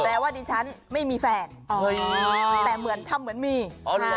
ว่าดิฉันไม่มีแฟนเฮ้ยแต่เหมือนทำเหมือนมีอ๋อเหรอ